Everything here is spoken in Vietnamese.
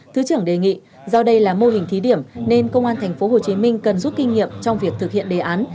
thứ trưởng đề nghị do đây là mô hình thí điểm nên công an tp hcm cần rút kinh nghiệm trong việc thực hiện đề án